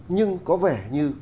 nhưng có vẻ như